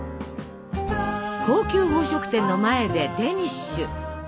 高級宝飾店の前でデニッシュ。